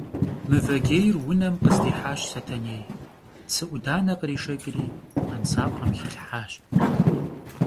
Mıvecêyr vunem khızdihaş Setenêy, tsı 'udane khrişşeç'ri kuensap'em xilhhaş.